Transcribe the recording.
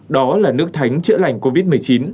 đó là nước thánh chữa lành covid một mươi chín